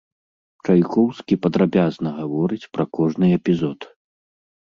Чайкоўскі падрабязна гаворыць пра кожны эпізод.